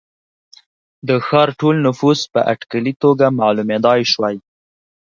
د ښار ټول نفوس په اټکلي توګه معلومېدای شوای.